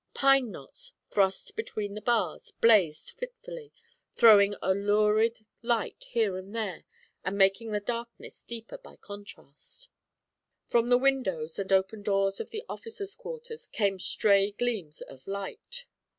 Pine knots, thrust between the bars, blazed fitfully, throwing a lurid light here and there and making the darkness deeper by contrast. From the windows and open doors of the officers' quarters came stray gleams of light.